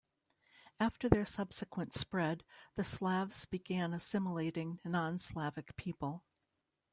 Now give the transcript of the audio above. After their subsequent spread, the Slavs began assimilating non-Slavic peoples.